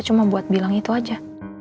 cuma buat bilang itu aja